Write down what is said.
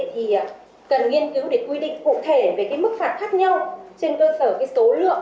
thì cần nghiên cứu để quy định cụ thể về cái mức phạt khác nhau trên cơ sở cái số lượng